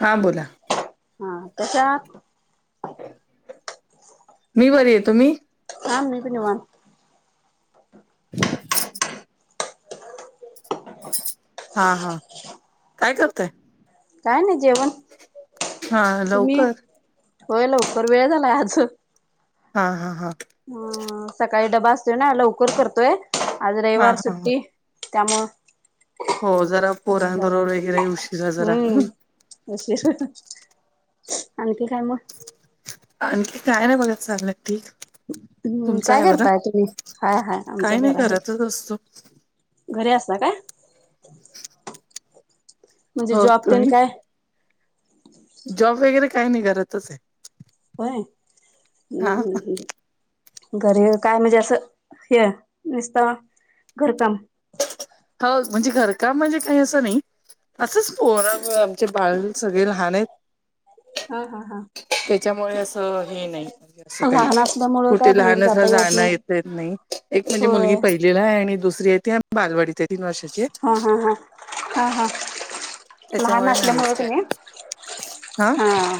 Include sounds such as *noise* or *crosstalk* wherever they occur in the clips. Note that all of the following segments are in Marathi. हा बोला हा कशा आहात? मी बरी आहे तुम्ही? हा मी बी निवांत. *inaudible* हा हा काय करताय? काय नाही जेवण. हा तुम्ही? लवकर होय लवकर वेळ झालायं आज. हा हा हा. हम्म सकाळी डबा असतोय ना लवकर करतोय आज हा रविवार हा सुट्टी. त्यामुळं. हो जरा वेळ झालाय पोरांंबरोबर वगैरे उशीरा जरा. हम्म *unintelligible* आणखी काय मगं? आणखी काय नाही बघा चांलय ठीक. हम्म तुमचं काय आहे बरं करताय तुम्ही? हाय हाय काय आमचं नाही बरंय. घरातच असतो घरी असता काय? म्हणजे हो जॉब ते न तुम्ही काय? जॉब वगैरे काही नाही घरातच आहे. होय हम्म हा हम्म हम्म. घरी काय म्हणजे असंहे निस्त घरकाम. हो म्हणजे घर काम म्हणजे काही असं नाही. असंच पोरामुळं आमचे बाळ सगळे लहान आहेत. हा हा हा. त्याच्यामुळे असं हे नाही. काही लहान असल्यामुळं काय कुठे बाहेर लहान अस जाता जाण नाही. येत नाही एक म्हणजे मुलगी होय पहिली ला आहे आणि दुसरी आहे त बालवाडीत आहे तीन वर्ष हा हा हा हा हा. लहान त्याच्यामुळे नाहीच असल्यामुळे की काय नाही हा हां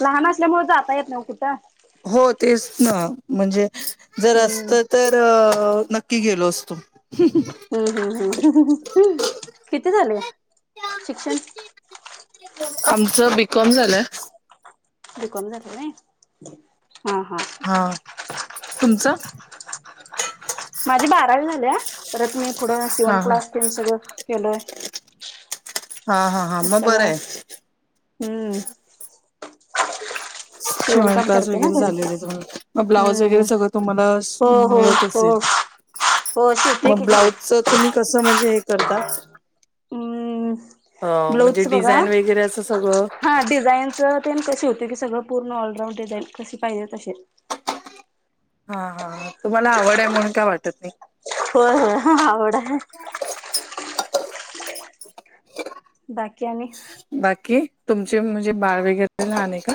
लहान असल्यामुळे जाता येत नव कुठं? हो तेच ना म्हणजे जर हम्म असतं तर अ नक्की गेलो असतो. हम्म हम्म हम्म किती झाले शिक्षण? आमचं बी कॉम झालंय. बि कॉम झालेल आहे हा हा. हां तुमचं? माझी बारावी झालीय परत मी पुढ शिवण हा हा क्लास तण सगळं केलोय हा हा हा मग बरं सगळं आहे हम्म. शिवण शिवणकाम क्लास करते ना वगैरे घरी झालेल मग ब्लाऊज हम्म वगैरे सगळं तुम्हाला शि हो हो मिळत हो असेल? हो शिवते की मग घरात ब्लाऊजच तुम्ही कसं म्हणजे हे करता? हम्म अ म्हणजे ब्लाऊजच बघा डिझाईन वगैरे असं सगळं हा डिझाईनचं ते कसे होते की सगळं पूर्ण ऑलराऊंड डिझाईन कशी पाहिजे तसे. हा हा तुम्हाला आवड आहे म्हणून काय वाटत नाही. होय होय आवड आहे. बाकी आणि? बाकी तुमचे म्हणजे बाळ वगैरे लहाण आहे का?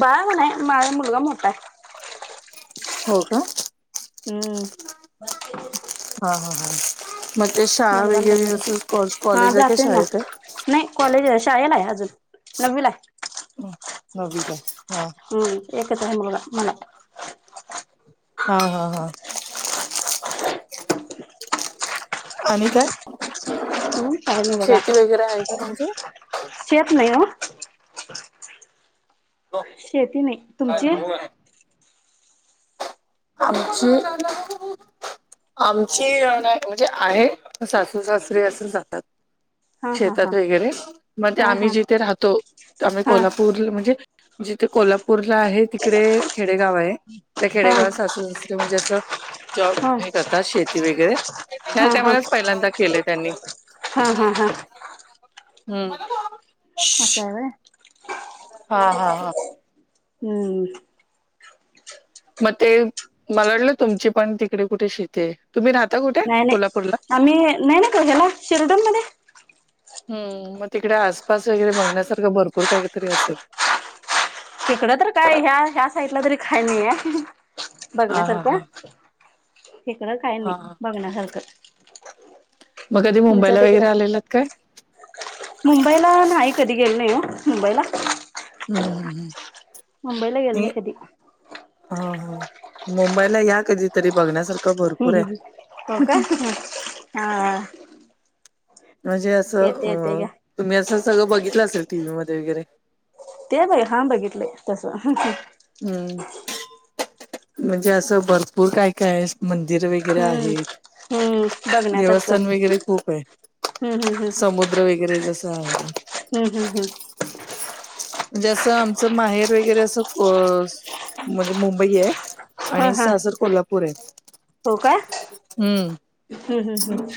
बाळ ह नाही माझा मुलगा मोठा आहे. हो का? हम्म. हा हा हा मग ते शाळा मुलगा वगैरे नववीला आहे. अस कॉ हा कॉलेज आहे काय जातोय ना शाळेत आहेत? नाही कॉलेज आहे शाळेला आहे अजून नववीला आहे. नववीला आहे हां. हम्म एकच आहे मुलागा मला. हा हा हा आणि काय हंम काय नाय बघा शेती वगैरे आहे का तुमची शेत नाही ओ शेती नाही तुमचीय आमची आमची नाय म्हणजे आहे म सासू सासरी असून जातात. हा हा हा शेतात वगैरे म ते हा आम्ही हा जिथे राहतो आम्ही हा कोल्हापूर म्हणजे जिथ कोल्हापूरला आहे तिकडे खेडेगाव हाय त्या हा खेडेगावास सासू सासरे म्हणजे असं जॉब हा हा हे करतात शेती वगैरे ह्या हा टाईमलाच पहिल्यांदा केले त्यांनी हा हा हा हं असंय व्हय. हा हा हा हूं हं मग ते मला वाटलं तुमची पण तिकडे कुठे शेत हाये. तुम्ही राहता कु नाय नाय आम्ही नाय ना का झाला शिरडनमध्ये हम्म मग तिकडे आसपास वगैरे बघण्यासारखं भरपूर काहीतरी असेल. तिकडं तर काय ह्या ह्या साइडला तरी काय नाहीय हा हा बघण्यासारखं हा इकडं काही हा नाही हा बघण्यासारखं मग कधी तुमच्या मुंबईला वगैरे तिकडं आलेलात काय मुंबईला नाही कधी गेल नाही हो मुंबईला हम्म हम् हम् मुंबईला गेल नाही कधी ह हा मुंबईला या कधीतरी बघण्यासारखं भरपूर आहे ह् हो का हा म्हणजे असं येते येते अ घ्या तुम्ही असं सगळं बघितलं असेल टीव्ही मध्ये वगैरे ते बघ हां बघितले तसं हम्म म्हणजे असं भरपूर काय काय म्हण मंदिर वगैरे हम्म आहेत हम्म देवस्थान वगैरे खूप आहे. हम् हम् हम समुद्र वगैरे जसं आहे. हम् हम् हम्. म्हणजे असं आमचं माहेर वगैरे असं म्हणजे मुंबई आहे. हा आणि हा सासर कोल्हापूर आहेत हम्म हम् हम् हम्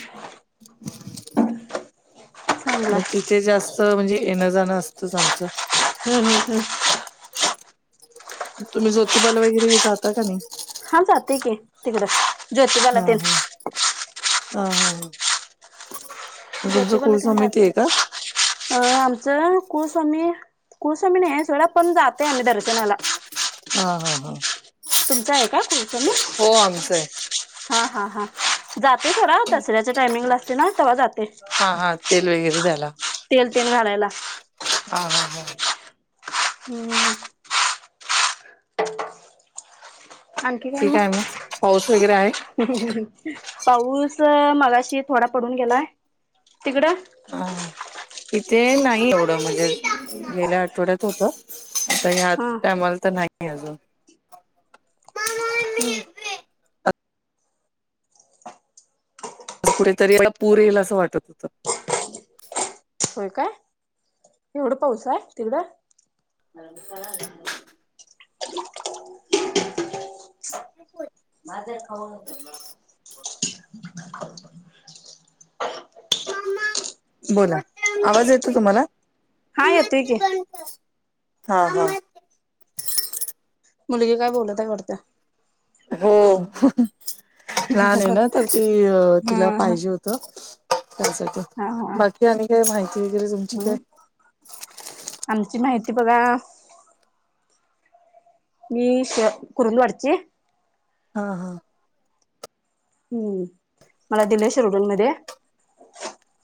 चांगला मग तिथे जास्त म्हणजे येणं जाणं असतच आमचं हम् हम् हम तुम्ही जोतिबाल वगैरे हे जाता का नाही हा जाते की तिकड हा हा हा हा. मग तुमच कुळ ज्योतिबाला तेन समिती जाते. आहे का अ आमचं कुळस्वामी कुळस्वामी नाही सगडं पण जाते आम्ही दर होला. हा हा हां तुमच आहे का तुमचं मी आमचं आहे. हा हा हा जाते खरा दसऱ्याच टायमिंग ला असते ना तेव्हा जाते. हा हा तेल वगैरे तेल तेल घालायला ह हा हा. हमम. आणखी काय ठीक आहे मग? पाऊस वगैरे आहे? पाऊस मगाशी थोडा पडून गेलाय तिकडं हा इथे नाही एवढं म्हणजे गेल्या आठवड्यात होत. आता ह्या हा टाईमाला तर नाहीये अजून हमम. असा कुठेतरी याला पूर येईल असं वाटत होतं. होय काय? एवढं पाऊस आहे तिकड. *unintelligible* माझा खाऊ बोला आवाज येतो तुम्हाला? हा येतोय की. हा हा. मुलगी काय बोलत हाय वाटत. हो लहान आहे ना तर ती अ हा तिला हा पाहिजे होत त्यासाठी हा हा बाकी आणि काय माहिती वगैरे तुमची काय? हम्म आमची माहिती बघा मी श कुरल वाडची हा हा. हमम मला दिले शिरडोनमध्ये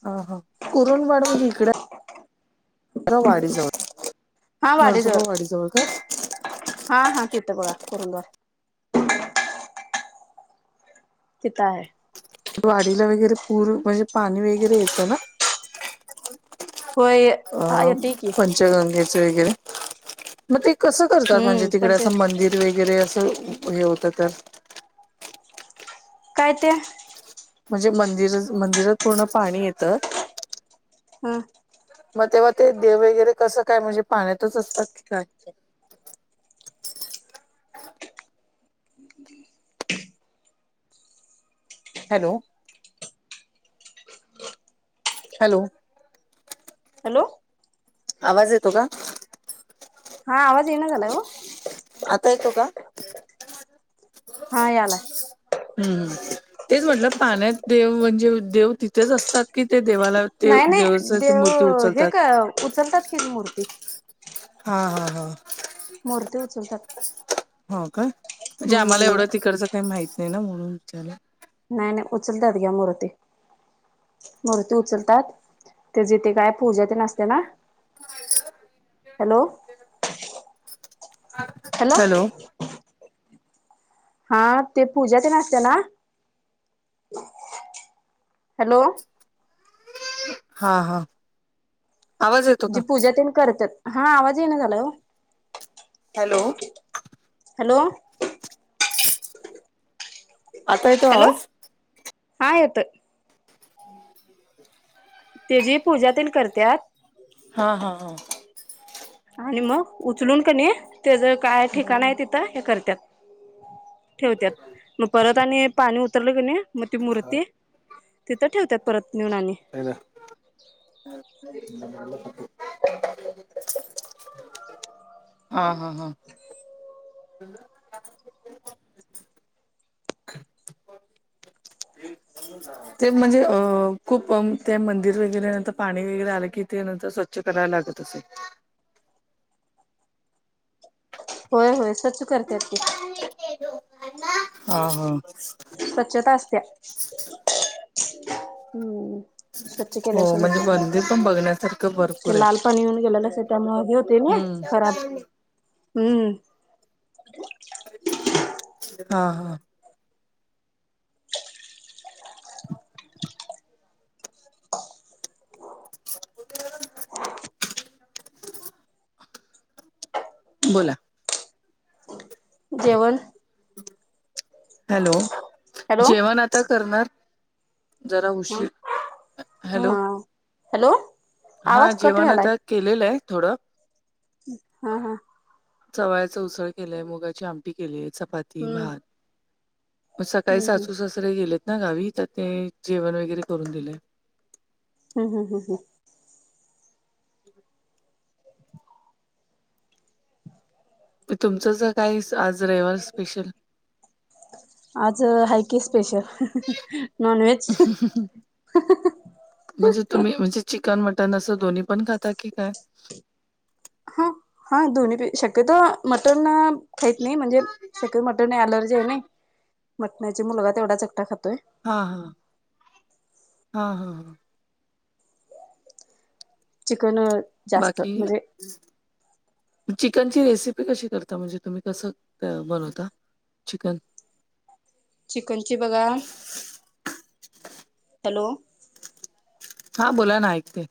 हा हा करूनजाड म्हणजे इकड रा वाडीजवळ हा वाडेजवळ नरसोबा वाडीजवळ का? हा हा तिथं बघा करूनद्वार. तिथ हाय. वाडीला वगैरे पूर म्हणजे पाणी वगैरे येतं ना. होय अ हा पण येते की पंच नदीच्या वगैरे मग ते कस करतात म्हणजे हम्म तिकडे पंच असं मंदिर वगैरे वगैरे असं हे होतं तर काय ते म्हणजे मंदिर मंदिरात पूर्ण पाणी येतं. होय. मग तेव्हा ते देव वगैरे कसं काय म्हणजे पाण्यातच असतात की काय? हॅलो. हॅलो. हॅलो आवाज येतो का? हा आवाज ये ना झालाय ओ आता येतो का? हा यालाय. हम्म तेच म्हटलं पाण्यात देव म्हणजे देव तिथेच असतात कि ते देवाला ते नाही नाही देवाच मूर्ती देव हे का उचलतात उचलतात कि मूर्ती. हा हा हा. मूर्ती उचलतात. हो काय म्हणजे आम्हाला हम्म एवढं तिकडचं काही माहीत नाही ना म्हणून विचारल. नाही नाही उचलतात की मुर्ती. मूर्ती उचलतात ते जिथे काय पूजा ते नसते ना ह *unintelligible* हॅलो. हॅलो. हा ते पूजा ते नसते ना हॅलो. हा हा. आवाज येतो का? जी पूजा त्यांन करतात हा आवाज ये ना झाला हो. हॅलो. हॅलो *inaudible* आता येतो हॅलो आवाज. हा येतोय. *inaudible* ते जी पूजा त्यांन करतात. हा हा हा. आणि मग उचलून कणी त्याच काय ठिकाण आहे तिथं हे करतात ठेवत्यात मग परत आणि पाणी उतरलं की नाही मग ती मूर्ती तिथं ठेवतात परत नेऊन आणि. *inaudible* हा हा हां. ते ते म्हणजे अ खूप ते मंदिर वगैरे नंतर पाणी वगैरे आलं कि ते नंतर स्वच्छ च कराय लागत असेल. होय होय स्वच्छ करत्यात की. हा हा. स्वच्छता असते हम्म. स्वच्छ केल्याश हो हे म्हणजे करूनेत मंदिर पण बघण्यासारखं भरपूर ते आहे. लाल पाणी येऊन गेले त्यामुळे होते ना खराब हम्म हम्म. हा हा. बोला जेवण हॅलो हॅलो जेवण आता करणार. जरा हम उशीर हा हॅलो हॅलो. हा आवाज कट जेवण व्हालाय आता केलेलं आहे थोडं. हा हा चवळ्याच उसळ केलंय मुगाची आमटी केलीय चपाती हम्म भात. मग सकाळी हम्म हम्म सासू सासरे गेलेत ना गावी तर ते जेवण वगैरे करून गेले. हम हम हम ह तुमचं असं काही आज रविवार स्पेशल? आज हाय की स्पेशल नॉन व्हेज. म्हणजे तुम्ही म्हणजे चिकन मटण असं दोन्ही पण खाता की काय. हा हा दोन्ही भी शक्यतो मटन खात नाही म्हणजे शक्यतो मटण अलर्जी आहे ना मटणाचा मुलगा तेवढाच एकटा खातोय. हा हा हा हा हा चिकन जास्त बाकी म्हणजे चिकनची रेसिपी कशी करता म्हणजे तुम्ही कसं बनवता चिकन? चिकन ची बघा. हॅलो. हा बोला ना ऐकतेय.